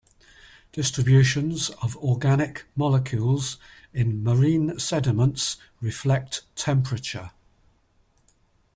Distributions of organic molecules in marine sediments reflect temperature.